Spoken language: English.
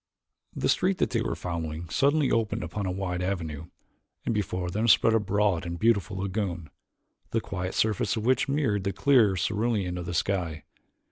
The street that they were following suddenly opened upon a wide avenue, and before them spread a broad and beautiful lagoon, the quiet surface of which mirrored the clear cerulean of the sky.